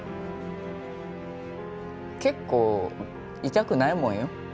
結構痛くないもんよ。